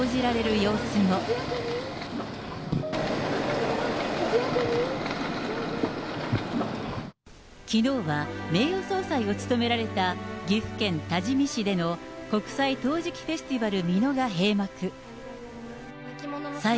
眞子さま、きのうは、名誉総裁を務められた、岐阜県多治見市での国際陶磁器フェスティバル